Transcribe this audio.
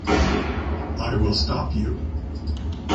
I will stop you.